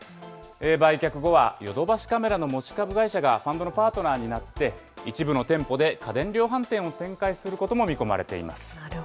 売却後はヨドバシカメラの持ち株会社がファンドのパートナーになって、一部の店舗で家電量販店を展開することも見込まれています。